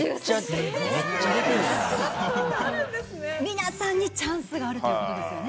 皆さんにチャンスがあるという事ですよね。